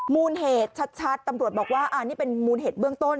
มูลเหตุชัดตำรวจบอกว่าอันนี้เป็นมูลเหตุเบื้องต้น